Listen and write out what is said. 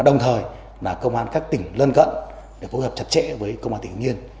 đồng thời là công an các tỉnh lân cận để phối hợp chặt chẽ với công an tỉnh yên